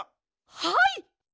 はい！